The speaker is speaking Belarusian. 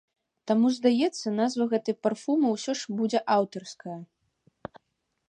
Таму, здаецца, назва гэтай парфумы ўсё ж будзе аўтарская.